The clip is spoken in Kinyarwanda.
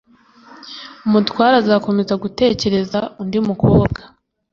umutware azakomeza gutekereza undi mukobwa